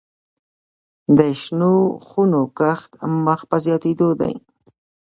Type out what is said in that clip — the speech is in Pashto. د شنو خونو کښت مخ په زیاتیدو دی